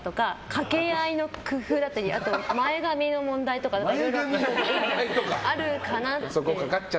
かけ合いの工夫だったり前髪の問題とかいろいろあるかなって。